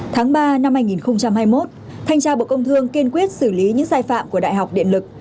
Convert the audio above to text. tháng ba năm hai nghìn hai mươi một thanh tra bộ công thương kiên quyết xử lý những sai phạm của đại học điện lực